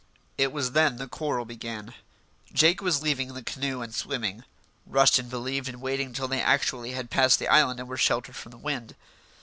It was then the quarrel began. Jake was for leaving the canoe and swimming. Rushton believed in waiting till they actually had passed the island and were sheltered from the wind.